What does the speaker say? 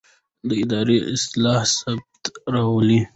د ادارو اصلاح ثبات راولي